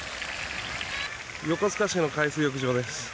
横須賀市の海水浴場です。